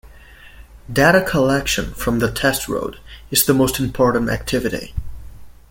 Data collection from the test road is the most important activity.